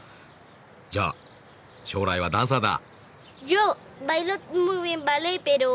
じゃあ将来はダンサーだ。